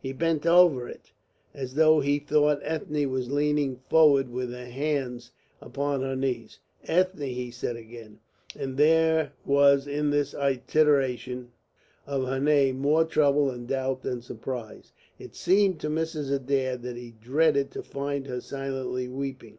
He bent over it, as though he thought Ethne was leaning forward with her hands upon her knees. "Ethne," he said again, and there was in this iteration of her name more trouble and doubt than surprise. It seemed to Mrs. Adair that he dreaded to find her silently weeping.